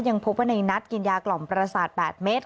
ยังพบว่าในนัดกินยากล่อมประสาท๘เม็ด